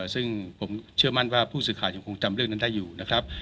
ซึ่งผมเชื่อมั่นว่าผู้สื่อข่าวยังคงจำเรื่องนั้นได้อยู่นะครับ